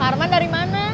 harman dari mana